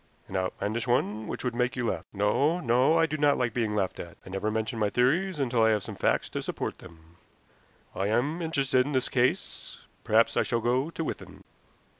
"An outlandish one which would make you laugh. No, no; I do not like being laughed at. I never mention my theories until I have some facts to support them. I am interested in this case. Perhaps I shall go to Withan."